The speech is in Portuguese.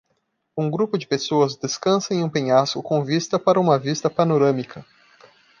Um grupo de pessoas descansa em um penhasco com vista para uma vista panorâmica.